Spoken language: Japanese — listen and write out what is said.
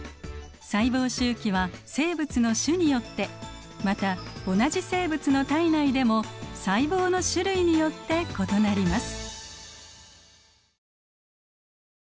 細胞周期は生物の種によってまた同じ生物の体内でも細胞の種類によって異なります。